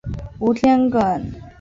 吴天垣。